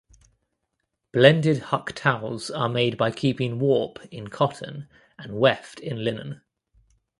Blended Huck towels are made by keeping warp in cotton and weft in linen.